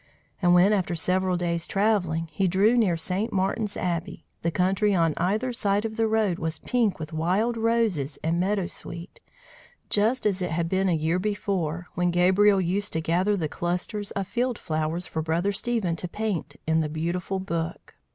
And when, after several days' travelling, he drew near St. Martin's Abbey, the country on either side of the road was pink with wild roses and meadowsweet, just as it had been a year before, when Gabriel used to gather the clusters of field flowers for Brother Stephen to paint in the beautiful book.